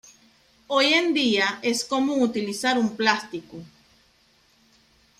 Hoy en día es común utilizar un plástico.